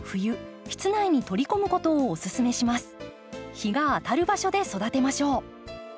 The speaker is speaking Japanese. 日が当たる場所で育てましょう。